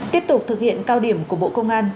tiếp tục thực hiện cao điểm của bộ công an